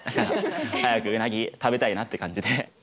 早くうなぎ食べたいなって感じで。